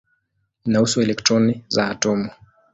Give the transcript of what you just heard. Inahusu elektroni za atomu.